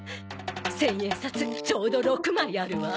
千円札ちょうど６枚あるわ。